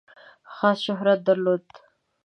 خاص شهرت درلود.